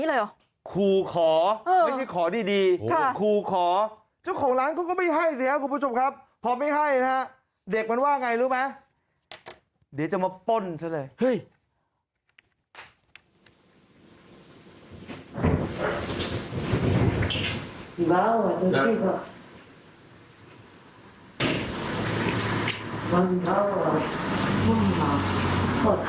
อีบ้าวอ่ะจุดที่ก็มันบ้าวอ่ะไม่มีค่ะไม่มีค่ะไม่มีเลยหรอไม่มีเลยค่ะ